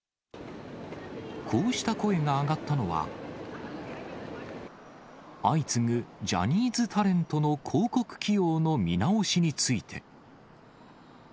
こうした声が上がったのは、相次ぐジャニーズタレントの広告起用の見直しについて。